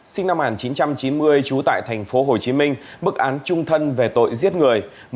sinh năm một nghìn chín trăm chín mươi trú tại thành phố hồ chí minh bức án trung thân về tội giết người